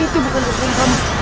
itu bukan kebenaran kamu